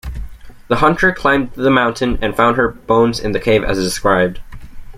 The hunter climbed the mountain and found her bones in the cave as described.